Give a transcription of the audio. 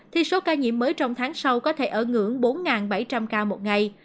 thì số ca nhiễm mới trong tháng sau có thể ở ngưỡng bốn bảy trăm linh ca một ngày